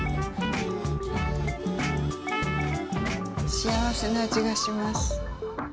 幸せなあじがします。